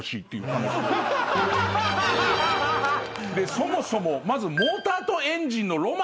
そもそもまず。